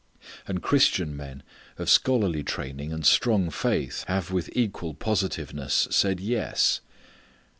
And Christian men of scholarly training and strong faith have with equal positiveness said "yes."